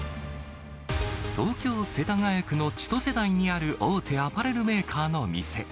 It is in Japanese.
東京・世田谷区の千歳台にある大手アパレルメーカーの店。